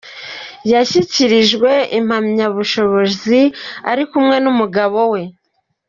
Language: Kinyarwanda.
Yashyikirijwe impamyabushobozi ari kumwe n’umugabo we.